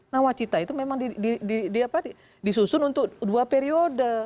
nah wacita itu memang disusun untuk dua periode